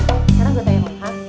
eh sekarang gue tanya lo ha